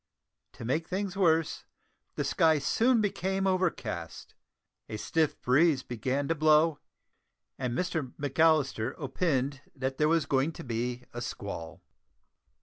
To make things worse, the sky soon became overcast, a stiff breeze began to blow, and Mr McAllister "opined" that there was going to be a squall.